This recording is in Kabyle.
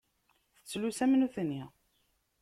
Tettlusu am nutni.